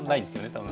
多分。